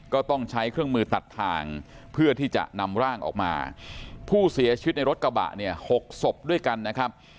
ก็ต้องใช้เครื่องมือตัดทางเพื่อที่จะนำร่างออกมาผู้เสียชีวิตในรถกระบะเนี่ยหกศพด้วยกันนะครับ